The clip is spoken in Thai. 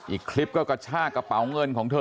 อีกคลิปก็กระชากกระเป๋าเงินของเธอ